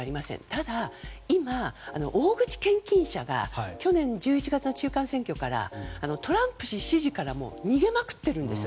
ただ、今大口献金者が去年１１月の中間選挙からトランプ氏支持から逃げまくっているんです。